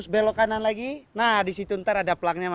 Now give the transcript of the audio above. selamat tinggal pak ion